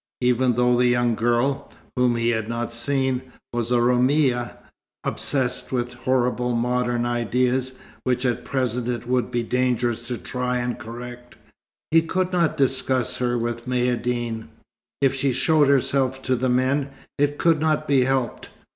Even though the young girl whom he had not seen was a Roumia, obsessed with horrible, modern ideas, which at present it would be dangerous to try and correct, he could not discuss her with Maïeddine. If she showed herself to the men, it could not be helped.